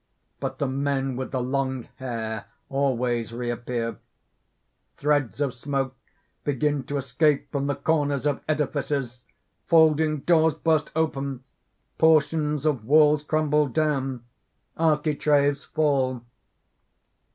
But the men with the long hair always reappear._ _Threads of smoke begin to escape from the corners of edifices! folding doors burst open. Portions of walls crumble down. Architraves fall.